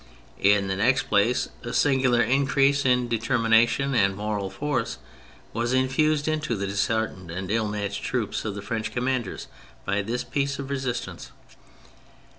In the next place, a singular increase in determina tion and moral force was infused into the disheartened and ill matched troops of the French commanders by this piece of resistance.